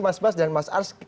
mas bas dan mas ars